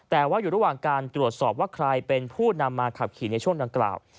แต่ว่าอยู่ระหว่างการตรวจสอบว่าใครเป็นผู้นำมาขับขี่ในช่วงดังกล่าว